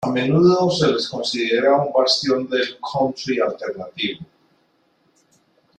A menudo se les considera un bastión del country alternativo.